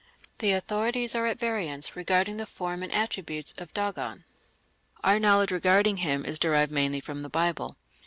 The authorities are at variance regarding the form and attributes of Dagan. Our knowledge regarding him is derived mainly from the Bible.